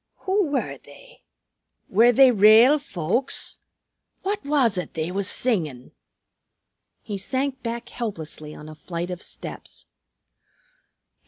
"Who were they? Were they rale folks? What was it they was singin'?" He sank back helplessly on a flight of steps.